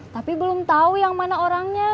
tapi belum tahu yang mana orangnya